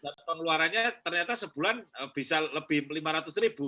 dan pengeluarannya ternyata sebulan bisa lebih lima ratus ribu